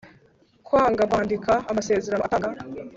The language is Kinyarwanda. kwanga kwandika amasezerano atanga